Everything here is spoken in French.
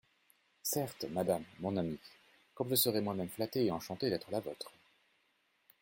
Certes, madame, mon amie, comme je serai moi-même flattée et enchantée d'être la vôtre.